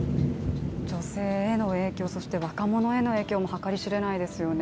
女性への影響若者への影響も計り知れないですよね。